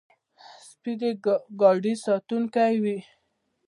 سپي د ګاډي ساتونکي وي.